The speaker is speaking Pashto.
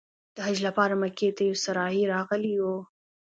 د حج لپاره مکې ته یو سارایي راغلی و.